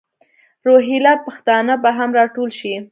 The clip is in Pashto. روهیله پښتانه به هم را ټول شي.